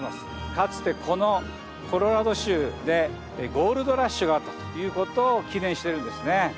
かつてこのコロラド州でゴールドラッシュがあったということを記念してるんですね。